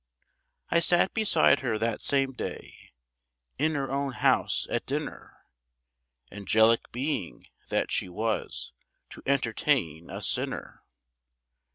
I sat beside her that same day, in her own house at dinner, Angelic being that she was to entertain a sinner!